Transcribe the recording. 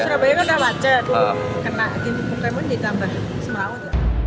surabaya kan macet kena game pokemon ditambah semerawut